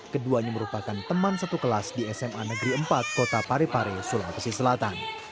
keduanya merupakan teman satu kelas di sma negeri empat kota parepare sulawesi selatan